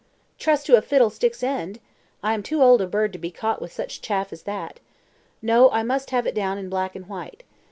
"Trust to a fiddlestick's end! I am too old a bird to be caught with such chaff as that. No, I must have it down in black and white.